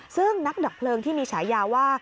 ซึ่งนักดับเพลิงที่มีฉายาว่า